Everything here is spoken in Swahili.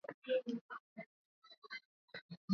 bagbo anaungwa mkono na majeshi